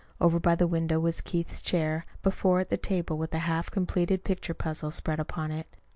Over by the window was Keith's chair, before it the table, with a half completed picture puzzle spread upon it.